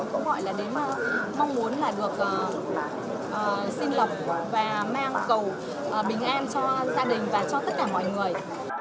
cũng gọi là đến mà mong muốn là được xin lọc và mang cầu bình an cho gia đình và cho tất cả mọi người